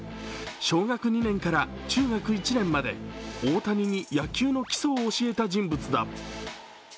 小学２年から中学１年まで大谷に野球の基礎を教えた人物だ。